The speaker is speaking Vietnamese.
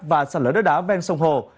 và sạt lở đất đá ven sông hồ